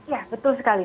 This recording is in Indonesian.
ya betul sekali